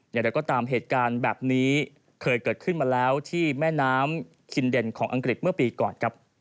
อย่างไรก็ตามเหตุการณ์แบบนี้เคยเกิดขึ้นมาแล้วที่แม่น้ำคินเดนของอังกฤษเมื่อปีก่อนครับ